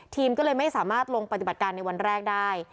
ก็เลยไม่สามารถลงปฏิบัติการในวันแรกได้